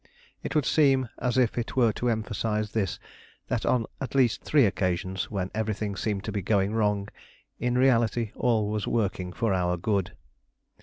It would seem as if it were to emphasise this that on at least three occasions, when everything seemed to be going wrong, in reality all was working out for our good.